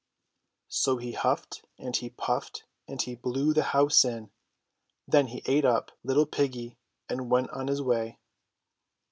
'* 173 So he huffed and he puffed and he blew the house in. Then he ate up little piggy and went on his way.